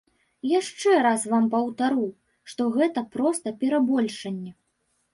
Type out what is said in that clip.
Яшчэ раз вам паўтару, што гэта проста перабольшанне.